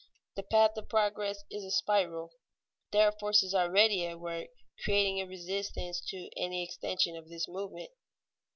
The path of progress is a spiral. There are forces already at work creating a resistance to any great extension of this movement.